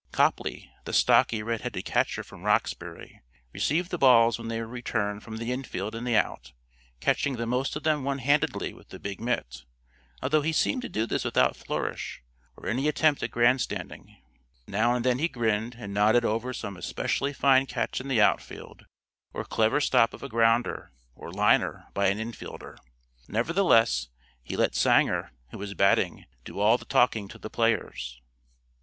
Copley, the stocky, red headed catcher from Roxbury, received the balls when they were returned from the infield and the out, catching the most of them one handedly with the big mitt, although he seemed to do this without flourish or any attempt at grand standing. Now and then he grinned and nodded over some especially fine catch in the outfield or clever stop of a grounder or liner by an infielder; nevertheless, he let Sanger, who was batting, do all the talking to the players.